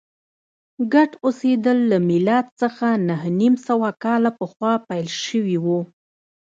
ګډ اوسېدل له میلاد څخه نهه نیم سوه کاله پخوا پیل شوي و